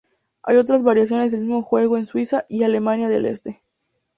Hay otras variaciones del mismo juego en Suiza y Alemania del Este.